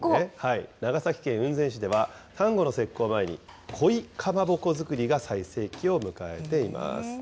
長崎県雲仙市では、端午の節句を前に、鯉かまぼこ作りが最盛期を迎えています。